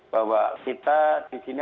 bahwa kita disini